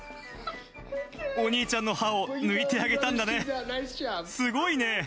お兄ちゃんの歯を抜いてあげたんだね、すごいね。